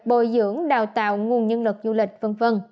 bồi dưỡng đào tạo nguồn nhân lực du lịch v v